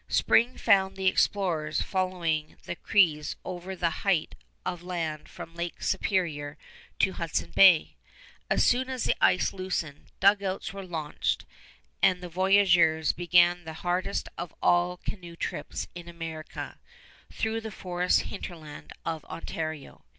Spring found the explorers following the Crees over the height of land from Lake Superior to Hudson Bay. As soon as the ice loosened, dugouts were launched, and the voyageurs began that hardest of all canoe trips in America, through the forest hinterland of Ontario.